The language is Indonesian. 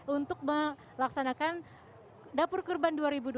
untuk melaksanakan dapur kurban dua ribu dua puluh